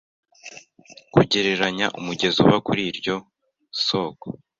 Kugereranya umugezi uva kuri iryo soko